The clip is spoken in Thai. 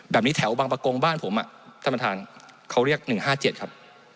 แถวบางประกงบ้านผมท่านประธานเขาเรียก๑๕๗ครับ